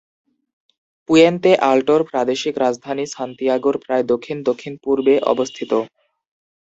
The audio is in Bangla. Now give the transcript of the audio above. পুয়েন্তে আল্টোর প্রাদেশিক রাজধানী সান্তিয়াগোর প্রায় দক্ষিণ-দক্ষিণপূর্বে অবস্থিত।